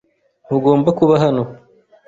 Ntugomba kuba hano.